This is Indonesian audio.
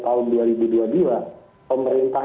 tahun dua ribu dua puluh dua pemerintah